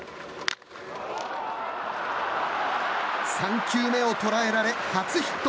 ３球目を捉えられ、初ヒット。